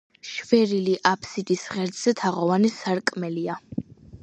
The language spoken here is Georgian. შვერილი აფსიდის ღერძზე თაღოვანი სარკმელია.